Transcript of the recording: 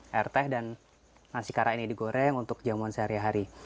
air teh dan nasi karak ini digoreng untuk jamuan sehari hari